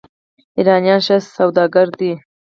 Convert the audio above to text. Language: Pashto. ایرانیان ښه سوداګر دي.